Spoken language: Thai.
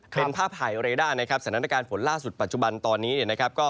เป็นภาพถ่ายอะไรได้สมรรถการฝนร่าสุดปัจจุบันตอนนี้